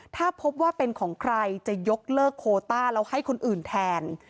ถ้าพบว่าเป็นของใครจะยกเลิกโคต้าแล้วให้คนอื่นแทน